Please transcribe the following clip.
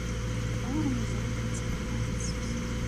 Ɣer-m azref ad teqqimeḍ tessusmeḍ.